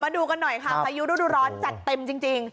ดูกันหน่อยค่ะพายุฤดูร้อนจัดเต็มจริง